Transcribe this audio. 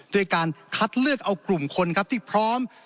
ด้วยการคัดเลือกเอากลุ่มคนครับที่พร้อม